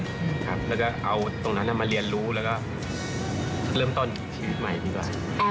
แล้วก็เอาตรงนั้นมาเรียนรู้แล้วก็เริ่มต้นชีวิตใหม่ดีกว่า